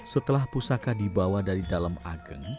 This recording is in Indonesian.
setelah pusaka dibawa dari dalam ageng